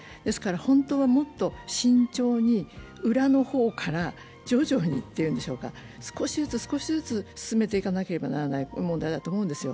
本当はもっと慎重に、裏の方から徐々にというんでしょうか、少しずつ少しずつ進めていかなければいけない問題だと思うんです。